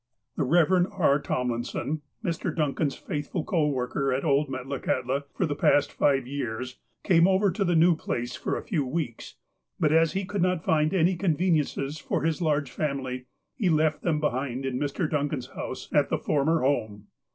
^ The Rev. R. Tomlinson, Mr. Duncan's faithful co worker at old Metlakahtla for the past five years, came over to the new place for a few weeks, but, as he could not find any conveniences for his large family, he left them behind in Mr. Duncan's house at the former home.